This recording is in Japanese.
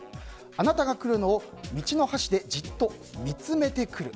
あなたがくるのを道の端でじっとみつめてくる。